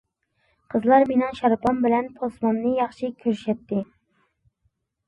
قىزلار مېنىڭ شارپام بىلەن پوسمامنى ياخشى كۆرۈشەتتى.